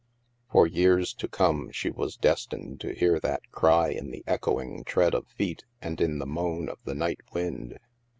For years to come, she was destined to hear that cry in the echoing tread of feet and in the moan of the night wind.